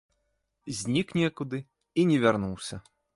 Знік некуды і не вярнуўся.